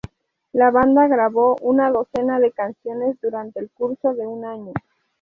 La banda grabó una docena de canciones durante el curso de un año.